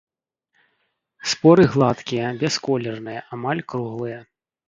Споры гладкія, бясколерныя, амаль круглыя.